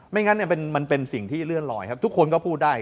งั้นมันเป็นสิ่งที่เลื่อนลอยครับทุกคนก็พูดได้